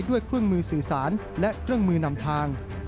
เครื่องมือสื่อสารและเครื่องมือนำทาง